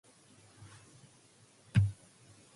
The field of ten teams was split into two groups of five.